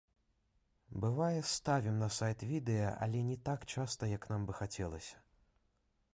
Бывае, ставім на сайт відэа, але не так часта, як нам бы хацелася.